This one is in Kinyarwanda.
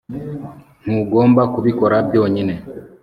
ntugomba kubikora byonyine